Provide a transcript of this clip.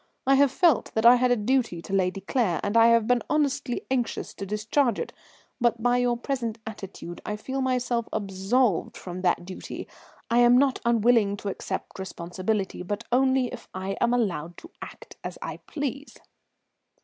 I have felt that I had a duty to Lady Claire, and I have been honestly anxious to discharge it, but by your present attitude I feel myself absolved from that duty. I am not unwilling to accept responsibility, but only if I am allowed to act as I please."